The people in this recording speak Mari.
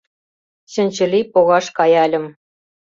Чынчыли погаш каяльым.